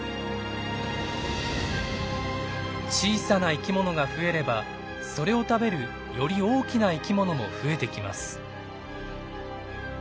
小さな生きものが増えればそれを食べるより大きな生きものも増えてきます。